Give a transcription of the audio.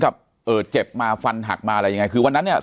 กับเอ่อเจ็บมาฟันหักมาอะไรยังไงคือวันนั้นเนี่ย